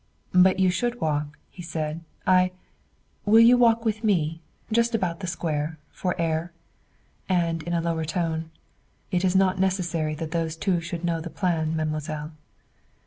"But you should walk," he said. "I will you walk with me? Just about the square, for air?" And in a lower tone: "It is not necessary that those two should know the plan, mademoiselle."